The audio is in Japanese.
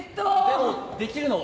でもできるの？